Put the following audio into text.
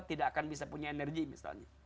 tidak akan bisa punya energi misalnya